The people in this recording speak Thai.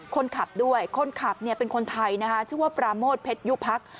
คนขับด้วยคนขับเป็นคนไทยนะคะชื่อว่าปราโมทเพชรยุพัก